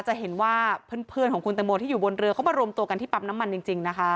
จะเห็นว่าเพื่อนของคุณตังโมที่อยู่บนเรือเขามารวมตัวกันที่ปั๊มน้ำมันจริงนะคะ